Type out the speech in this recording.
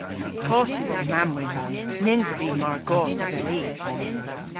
Koth yw ow mamm-wynn. Nyns ov vy mar goth avelli!